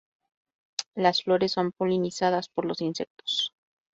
Las flores son polinizadas por los insectos.